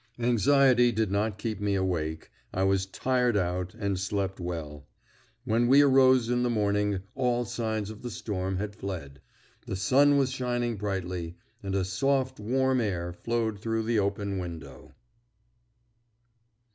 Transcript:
Anxiety did not keep me awake; I was tired out, and slept well. When we arose in the morning all signs of the storm had fled. The sun was shining brightly, and a soft warm air flowed through the open window.